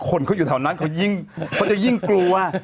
คนเขาอยู่แถวนั้นเขาจะยิ่งกลัว